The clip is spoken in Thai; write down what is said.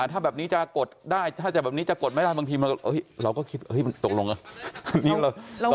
ถ้าแบบนี้จะกดได้ถ้าจะแบบนี้จะกดไม่ได้บางทีเราก็คิดมันตกลงกัน